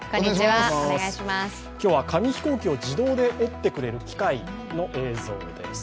今日は紙飛行機を自動で折ってくれる機械の映像です。